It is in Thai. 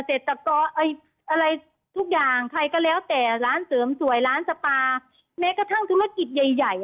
เศรษฐกรอะไรทุกอย่างใครก็แล้วแต่ร้านเสริมสวยร้านสปาแม้กระทั่งธุรกิจใหญ่ใหญ่